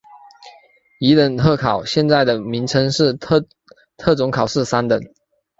乙等特考现在的名称是特种考试三等。